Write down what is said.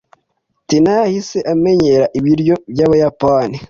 Tina yahise amenyera ibiryo byabayapani.